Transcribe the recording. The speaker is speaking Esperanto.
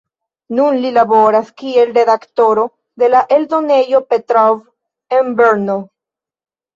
Nun li laboras kiel redaktoro de la eldonejo Petrov en Brno.